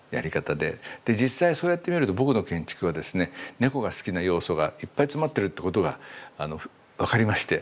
で実際そうやってみると僕の建築はですね猫が好きな要素がいっぱい詰まってるってことが分かりまして。